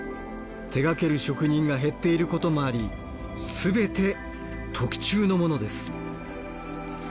手がける職人が減っていることもあり全て特注のものです。